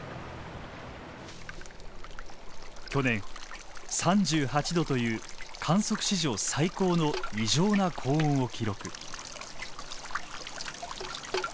去年３８℃という観測史上最高の異常な高温を記録。